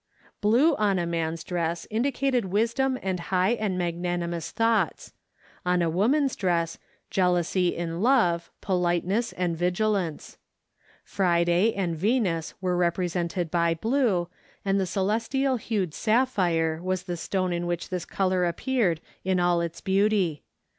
Blue on a man's dress indicated wisdom and high and magnanimous thoughts; on a woman's dress, jealousy in love, politeness, and vigilance. Friday and Venus were represented by blue, and the celestial hued sapphire was the stone in which this color appeared in all its beauty.